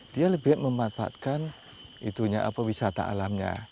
dia lebih memanfaatkan itunya apa wisata alamnya